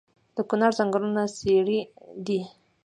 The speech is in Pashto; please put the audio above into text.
د کونړ ځنګلونه څیړۍ دي